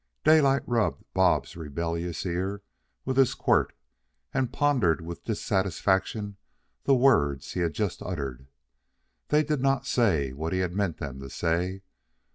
Daylight rubbed Bob's rebellious ear with his quirt and pondered with dissatisfaction the words he had just uttered. They did not say what he had meant them to say.